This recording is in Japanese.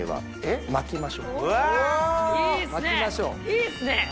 いいっすね！